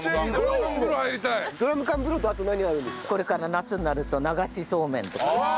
これから夏になると流しそうめんとか。